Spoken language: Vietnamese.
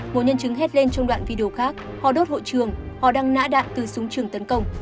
một nhân chứng hết lên trong đoạn video khác họ đốt hội trường họ đang nã đạn từ súng trường tấn công